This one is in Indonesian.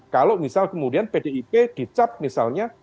kalau misal kemudian pdip dicap misalnya